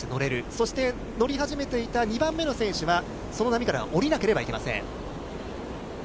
そして乗り始めていた２番目の選手はその波からはおりなければいけません。